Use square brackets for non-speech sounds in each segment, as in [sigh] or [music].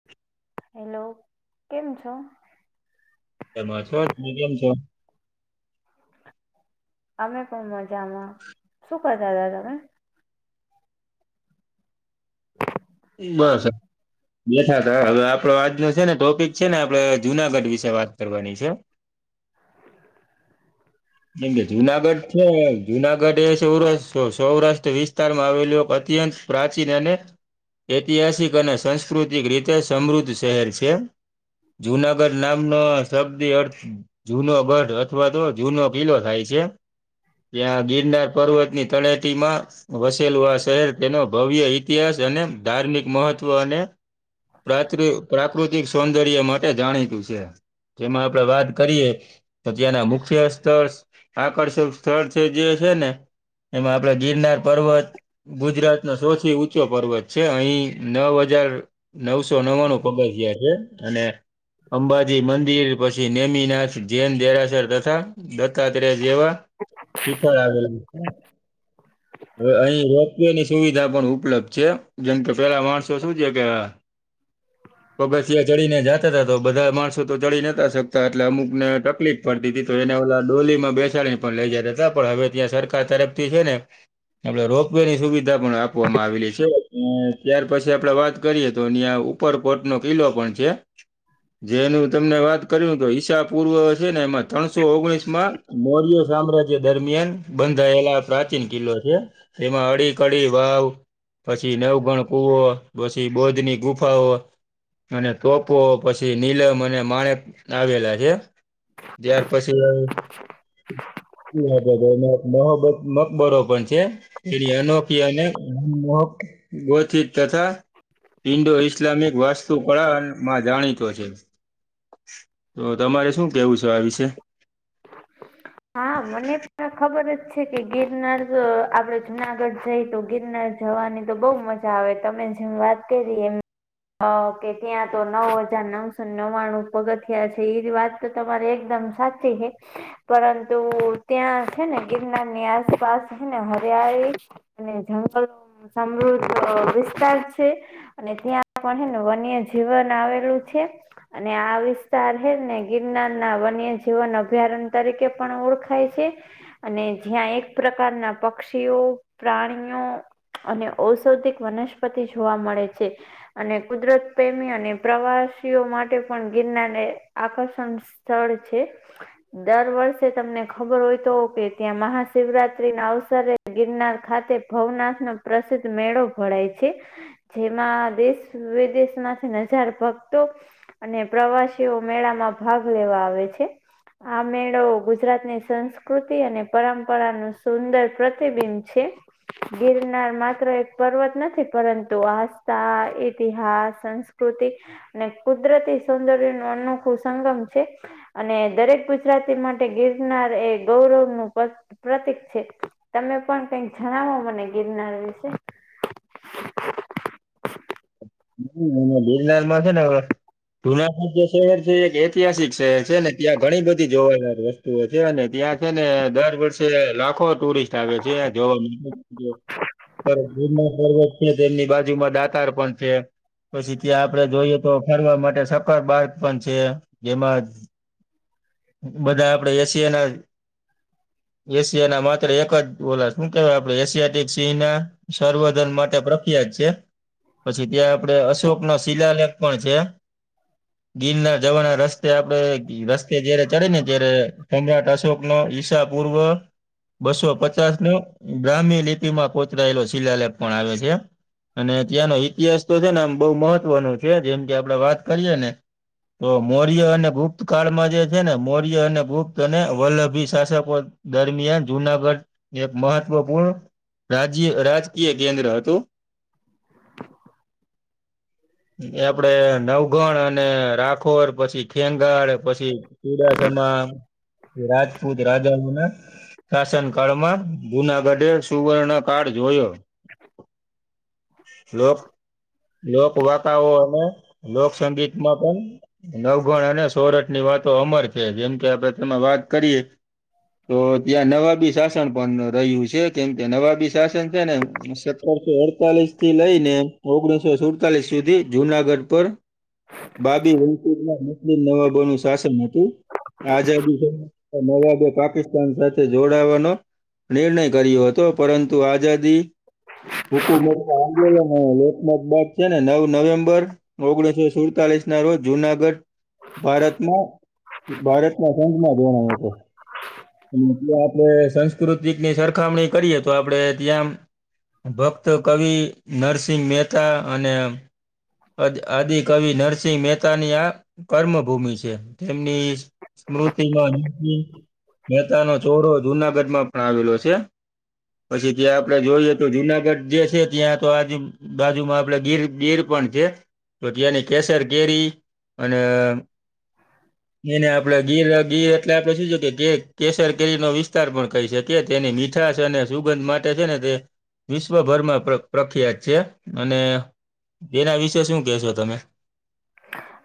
[inaudible] Hello કેમ છો? એમાં છો તમે કેમ છો? અમે પણ મજામાં. શું કરતા હતા તમે? [inaudible] બસ! બેઠા હતા હવે આપડો આજનો છે ને ટોપિક છે ને આપણે જુનાગઢ વિશે વાત કરવાની છે. [inaudible] એમ કે જુનાગઢ છે જુનાગઢ એ સૌરાષ્ટ્ર સૌરાષ્ટ્ર વિસ્તાર. વિસ્તારમાં આવેલું અત્યંત પ્રાચીન અને. ઐતિહાસિક અને સાંસ્કૃતિક રીતે સમૃદ્ધ શહેર છે. જુનાગઢ નામનો શબદી અર્થ જુનોગઢ અથવા તો હોય. જૂનો કિલ્લો થાય છે ત્યાં ગિરનાર પર્વતની તળેટી માં. વસેલું આ શહેર તેનો ભવ્ય ઇતિહાસ અને ધાર્મિક મહત્વ અને. પ્રાૃ પ્રાકૃતિક સૌંદર્ય માટે જાણીતું છે. જેમાં આપડે વાત કરીએ. તો ત્યાંના મુખ્ય સ્થળ આકર્ષક સ્થળ છે જે છે ને. એમાં આપડે ગિરનાર પર્વત ગુજરાત નો સૌથી ઊંચો પર્વત. છે અહી નવ હજાર નવસો નવણું પગારયા છે અને. અંબાજી મંદિર પછી નેમીનાથ જૈન દેરાસર તથા દત્તાત્રેય જેવા ખીથળ આવેલ હવે અહીં રોપવેની સુવિધા પણ ઉપલબ્ધ છે જેમ કે પેલા માણસો શું છે કે પગથિયા ચડીને જા તો બધા માણસો તો ચડી નહતાંકતા એટલે અમુકનેકલીફ પડતી હતી તો એને ઓલા ડોલીમાં બેસાડી પણ લઈ જતા હતા પણ હવે ત્યાં સરકાર તરફથી છે ને એલે રોપ વે ની સુવિધા પણ આપવામાં આવેલી છે અ ત્યાર પછી આપડે વાત કરીએ તો અિયાં ઉપરકોટ નો કિલ્લો પણ છે જેનું તમને વાત કર્યું તો ઈશા પૂર્વ છે ને એમાં ત્રણસો ઓગણીસ માં મોર્યો સામ્રાજ્ય દરમિયાન બંધાયેલા પ્રાચીન કિલ્લો છે એમાં અડી કડી વાવ પછી નવગણ કુવો પછી બોધની ગુફાઓ અને તોપો પછી નીલમ અને માણેક આવેલા છે જ્યાર પછી શ મોબ મકબરો પણ છે એની અનોખીનેક ગોથિત તથા ઇન્ડો ઈસ્લામિક વાસ્તુકળા માં જાણીતો છે તો તમારે શું કેવું છે આ વિશે હા મને પણ ખબર જ છે કે ગિરનાર આપડે જુનાગઢ જઈ તો ગિરનાર જવાની તો બહુ મજા આવે તમે જેમ વાત કરી એમ હ કે ત્યાં તો નવ હજાર નવસો નવ્વાણું ઉપગથ થયા છે એ વાત તો તમારે એકદમ સાચી છે પરંતુ ત્યાં છે ને ગિરનાર ની આસપાસ છેને હરિયાળી અને જંગલો સમૃદ્ધ વિસ્તાર છે અને ત્યાં પણ હ ને વન્ય જીવન આવેલું છે અને આ વિસ્તાર હે ને ગિરનાર ના વન્ય જીવન અભ્યારણ તરીકે પણ ઓળખાય છે અને જ્યાં એક પ્રકારના પક્ષીઓ પ્રાણીઓ અને ઔષધિક વનસ્પતિ જોવા મળે છે અને કુદરત પ્રેમી અને પ્રવાસીઓ માટે પણ ગિરનારને આકર્ષણ સ્થળ છે દર વર્ષે તમને ખબર હોય તો કે ત્યાં મહાશિવરાત્રી ના અવસરે ગિરનાર ખાતે ભવનાથ નો પ્રસિદ્ધ મેળો ભણાય છે જેમાં દેશ વિદેશમાંથી નજાર ભક્તો અને પ્રવાસીઓ મેળામાં ભાગ લેવા આવે છે. આ મેળો ગુજરાત ની સંસ્કૃતિ અને પરંપરા નું સુંદર પ્રતિબિંબ છે. ગિરનાર માત્ર એક પર્વત નથી પરંતુ આસ્થા ઈતિહાસ સંસ કૃતિ અને કુદરતી સૌંદર્ય ન અનોખું સંગમ છે અને દરેક ગુજરાતી માટે ગિરનાર એ ગૌરવ નું પ પ્રતિક છે તમે પણ કઈક જણાવો મને ગિરનાર વિશે. [unintelligible] ગિરનારમાં છે ને જુનાગઢ જે શહેર છે એક ઐતિહાસિક શહેર છે ને ત્યાં ઘણી બધી જોવા [unintelligible] તો છે ને ત્યાં છે ને દર વર્ષે લાખો ટુરિસ્ટ આવે છે જોવા જો ગિરનાર પર્વત છે ને તેમની બાજુમાં દા [unintelligible] પણ છે પછી ત્યાં આપડે જોઈએ તો ફરવા માટે સકારર બાગ પણ છે જેમાં બધા આપણેે એસી એના એશિયા ના માત્ર એક જ ઓલ શું કેવાય આપણે એશિયાક સિંહ ના સર્વધન માટે પ્ર [unintelligible] છે. પછી ત્યાં આપડે અશોક નો શિલાલેખ પણ છે. ગીર ના જવાના રસ્તે આપડે રસ્તે જયારે ચડે ને જય્યારે સમ્રાટ અશોક નો ઈશા પૂર્વ બસો પચાસ નો ગ્રામ્ય લિપીમાં કુતરાયેલો શિલાલેખ પણ આવે છે. અને ત્યાંનો ઈતિહાસ તો છે ને આમ બહુ મહત્વનો છે જેમ કે આપડે વાત કરીયે ને તો મૌર્ય અને ગુપ્ત કાળમાં જે છે ને મૌર્ય અને ગુપ્ત અને વલ્લભી શાસકો દરમિયાન જુનાગઢ એક મહત્વપૂર્ણ રાજ્ય રાજકીય કેન્દ્ર હતું. એ આપડે નવગણ અને રાખોર પછી ખેંગાર પછી ચીડાસામા રાજપૂત રાજાનું ને રાશન કાર્ડ માં જુનાગઢ સુવર્ણ કાર્ડ જોયો. લોક લોક વાર્તાઓ અને લોકસંગીત માં પણ નવગણ અને સોરઠ ની વાતો અમર છે જેમ કે આપડે તેમાં વાત કરીએે તો ત્યાં નવાબી શાસન પણ રહ્યું છે કેમ કે નવાબી શાસન છે ને આઠ સો અડતાલીસ થી લઈને ઓગણીસો સુડતાલીસ સુધી જુનાગઢ પર બાબી વુ નાસ્દીન નવાબો નું શાસન હતું આઝાદી પછી નવાબે પાકિસ્તાન સાથે જોડાવાનો નિર્ણય કર્યો હતો પરંતુ આઝાદી [unintelligible] હુકુમટ આંદોલન લોકમત બાદ છે ને નવ નવેમ્બર ઓગણીસો સુડતાલીસ ના રોજ જુનાગઢ ભારતમાં ભારત માં સંસમાં જોના તો. એટલે આપણે સંસ્કૃતિકની સરખામણી કરીએ તો આપડે ત્યાં ભક્ત કવિ નરસિંહ મહેતા અને આદ [unintelligible] કવિ નરસિંહ મહેતા ની આ કર્મ ભૂમિ છે તેમની સ્મૃતિમાં મહેતાનો ચોડો જુનાગઢમાં પણ આવેલો છે. પછી ત્યાં આપડે જોઈએ તો જુનાગઢ જે છે ત્યાં તો આજ બાજુમાં આપડે ગીર ગીર પણ છે. તો ત્યાંની કેસર કેરી અને ત્યાં ને આપડે ગીર [unintelligible] એટલે આપણે શું છે કે કેસર કેરીનો વિસ્તાર પણ કહી શકી તેની મીઠાશ અને સુગંધ માટે છે ને તે વિશ્વભરમાં પ્ર પ્રખ્યાત છે અને તેના વિશે શું કેહેશો તમે.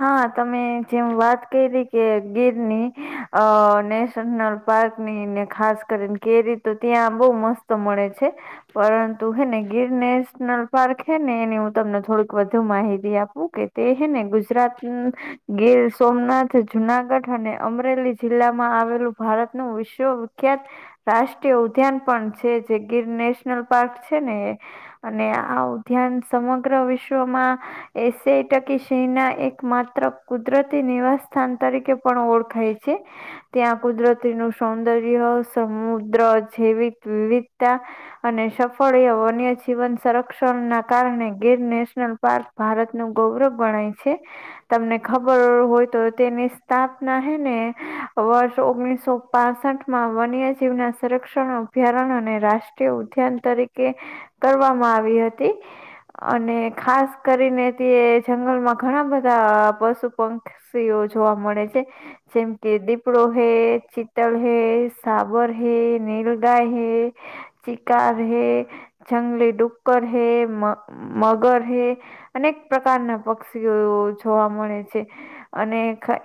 હા તમે જેમ વાત કરી કે ગીરની અ નેશનલ પાર્ક ની ને ખાસ કરીને કેરી તો ત્યાં બહું મસ્ત મળે છે. પરંતુ હે ને ગીર નેશનલ પાર્ક હે ને એની હું તમને થોડીક વધુ માહિતી આપું કે તે હેને ગુજ ગીર સોમનાથ જુનાગઢ અને અમરેલી જિલ્લા માં આવેલું. ભારતનું વિશ્વવિખ્યાત. રાષ્ટ્રીય ઉદ્યાન પણ છે જે ગીર નેશનલ પાર્ક છે ને એ. અને આ ઉદ્યાન સમગ્ર વિશ્વમાં એસે ટકી સિંહ ના. એક માત્ર કુદરતી નિવાસ સ્થાન તરીકે પણ ઓળખાય છે. ત્યાં કુદરતી નું સૌંદર્ય સમુદ્ર જેવક વિવિધતા. અને સફળ વન્ય જીવન સંરક્ષણ ના કારણે ગીર નેશનલ. પાર્ક ભારત નું ગૌરવ ગણાય છે. તમને ખબર હોય તો તેની સ્થાપના હે ને વર્ષ ઓગણીસો. ત્રાસઠ માં વન્ય જીવના સંરક્ષણ અભ્યારણ્ અને રાષ્ટ્રીય ઉદ્યાન તરીકે. કરવામાં આવી હતી અને ખાસ કરીને તે જંગલમાં. ઘણા બધા પશુ પંક્ષીઓ જોવા મળે છે. જેમ કે દીપડો હૈ ચીતલ હૈ સાબર હૈ નીલગાય હૈ. ચિકાર હે. જંગલી ડુક્કર હે મ મગર હૈ અનેક પ્રકારના પક્ષી. ઓ જોવા મળે છે. અને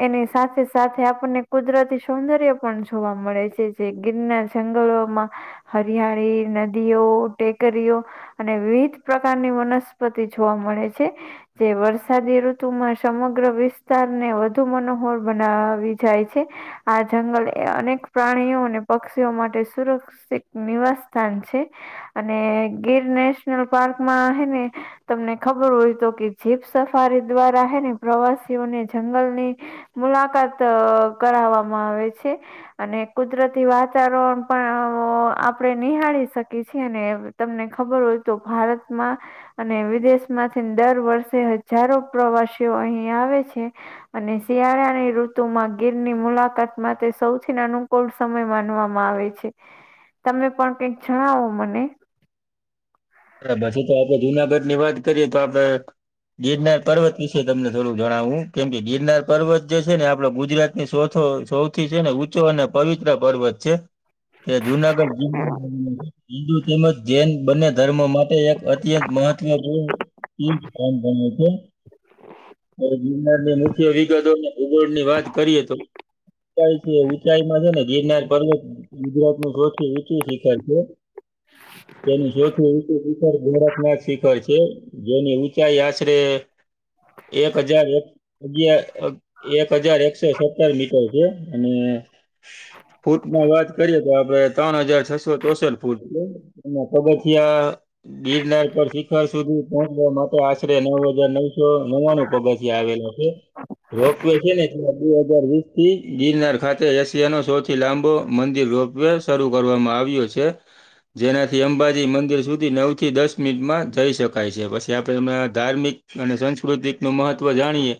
એની સાથે સાથે આપણને કુદરતી સૌંદર્ય પણ જોવા મળે છે. જે ગીરના જંગલોમાં હરિયાળી નદીઓ ટેકરીઓ. અને વિવિધ પ્રકારની વનસ્પતિ જોવા મળે છે જે વર્ષ. સાદી ઋતુમાં સમગ્ર વિસ્તારને વધુ મનોહોર બનાવી જાય છે. આ જંગલ એ અનેક પ્રાણીઓ અને પક્ષીઓ માટે સુરક્ષ. નિવાસ સ્થાન છે. અને ગીર નેશનલ પાર્કમાં હે ને તમને ખબર હોય તો કે જીપ્સ. સફારી દ્વારા હે ને પ્રવાસીઓને જંગલની. મુલાકાત કરાવવામાં આવે છે. અને કુદરતી વાતાવરણ પણ આપડે નિહાળી શકીએ છીએ ને. તમને ખબર હોય તો ભારતમાં અને વિદેશ માંથી દર વર્ષે. હજારો પ્રવાસીઓ અહીં આવે છે. અને શિયાળાની ઋતુ માં ગીરની મુલાકાત માટે સૌથી અનુકૂળ. સમય માનવામાં આવે છે તમે પણ કઈક જણાવો મને. પછી તો આપડે જુનાગઢ ની વાત કરીએ તો આપડે. ગિરનાર પર્વત વિશે તમને થોડું જણાવવું કેમ કે ગિરનાર પર્વત જે છે ને આપડો ગુજરાતી. એ ચોથો સૌથી છે ને ઊંચો અને પવિત્ર પર્વત છે. એ જુનાગઢ જિલ્લા હિન્દુ તેમજ જૈન બને. ધર્મ માટે એક અત્યંત મહત્વપૂર્ણ તીર્થ સ્થાન બને છે. અ ગિરનારની મુખ્ય વિગતો ભૂગોળ ની વાત કરીએ તો. ઉંચ છે ઊંચાઈ માં છે ને ગીરનાર પર્વતમાં. ગુજરાત નું સૌથી ઊંચું શિખર છે તેની સૌથી. શિખર ગોળખનાથ શિખર છે જેની ઊંચાઈ આશરે. એક હજાર એક. અગિયાર એક હજાર એકસો સત્તર મીટર છે અને. ફૂટ માં વાત કરીએ તો આપડે ત્રણ હજાર છસો ચોસઠ ફૂટ અને પગથ. થિયા. ગિરનાર પર શિખર સુધી પહોંચવા માટે આશરે નવ હજાર નવસો નવાનું પગ. થિયા આવેલા છે. રોપવે છે નેમાં બે હાજાર વીસ થી ગિરનાર ખાતે એશિયા નો સૌથી લાંબો મંદિર રોપ. વે શરૂ કરવામાં આવ્યો છે જેનાથી અંબાજી. મંદિર સુધી નવ થી દસ મિનિટમાં જઈ શકાય છે પછી આપણે એમાં ધાર્મિક. અને સંસ્કૃતિક નું મહત્વ જાણીએ.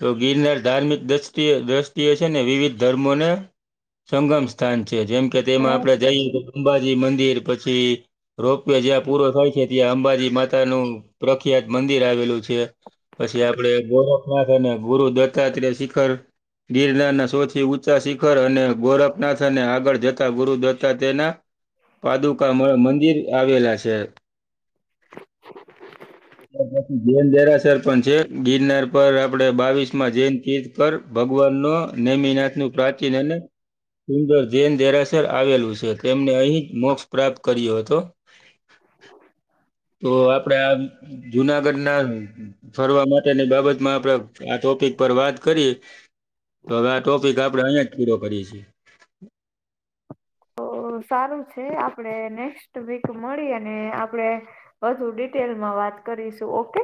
તો ગિરનાર ધાર્મિક દૃષ્ટિ દ્રષ્ટિએ છે ને વિવિધ ધર્મોને સંગમ. સ્થાન છે જેમ કે તેમાં અને આપડે જઈએ તો અંબાજી મંદિર પછી રોપવે જ્યાં પૂરો થાય છે ત્યાં અંબાજી માતાનુંું પ્રખ્યાત મંદિર આવેલું છે પછી આપડે ગોરખનાથ અને ગુરુ દત્તાત્ર શિખર ગિરનારના સૌથી ઊંચા શિખર અને ગોરખનાથને આગળ જતા ગુરુ દત્તા તેના પાદુકામણ મંદિર આવેલા છે જૈન દેરાસર પણ છે ગિરનાર પર આપડે બાવીસ માં જૈન તીર્થ ભગવાન ન નેમીનાથ નું પ્રાચીન અને સુંદર જૈન દેરાસર આવેલું છે તેમને અહીં જ મોક્ષ પ્રાપ્ત કર્યો હતોું તો આપડે આ જુનાગઢ ના ફરવા માટે ની બાબત માં આપડ આ ટોપિક પર વાત કરી તો હવે આ ટોપિક આપડે અહીિયાં જ પૂરો કરીએ છીએ તો સારું છે આપણેે નેક્સ્ટ વીક મળી અને આપડે વધુ ડિટેલમાં વાત કરીશું ઓકે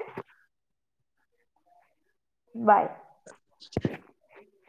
બાય